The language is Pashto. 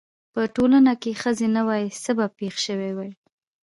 که په ټولنه کې ښځه نه وای څه به پېښ شوي واي؟